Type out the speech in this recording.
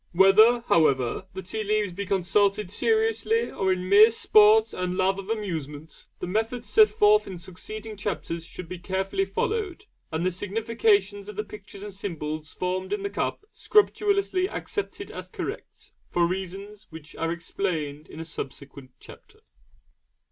Whether, however, the tea leaves be consulted seriously or in mere sport and love of amusement, the methods set forth in succeeding chapters should be carefully followed, and the significations of the pictures and symbols formed in the cup scrupulously accepted as correct, for reasons which are explained in a subsequent chapter.